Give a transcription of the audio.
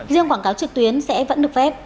riêng quảng cáo trực tuyến sẽ vẫn được phép